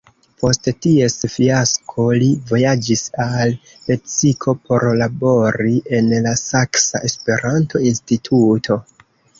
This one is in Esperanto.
Post ties fiasko li vojaĝis al Lepsiko por labori en la Saksa Esperanto-Instituto.